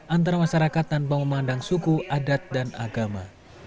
antara masyarakat dan pengemandang suku adat dan agama